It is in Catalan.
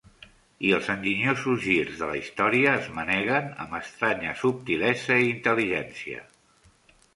I els enginyosos girs de la història es manegen amb estranya subtilesa i intel·ligència.